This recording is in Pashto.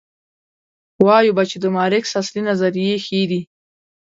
وایو به چې د مارکس اصلي نظریې ښې دي.